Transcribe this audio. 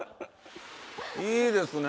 いいですね。